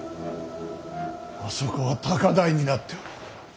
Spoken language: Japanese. あそこは高台になっておる。